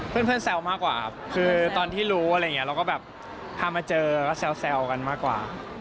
แซวมากกว่าครับคือตอนที่รู้อะไรอย่างนี้เราก็แบบพามาเจอก็แซวกันมากกว่า